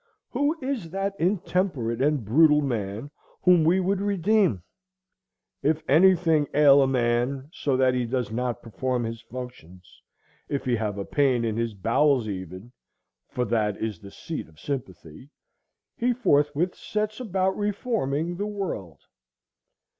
Who is that intemperate and brutal man whom we would redeem? If any thing ail a man, so that he does not perform his functions, if he have a pain in his bowels even,—for that is the seat of sympathy,—he forthwith sets about reforming—the world.